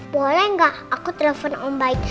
boleh nggak aku telepon om baik